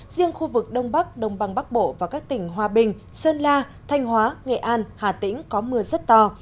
riêng khu vực đông bắc đông bằng bắc bộ và các tỉnh hòa bình sơn la thanh hóa nghệ an hà tĩnh có mưa rất to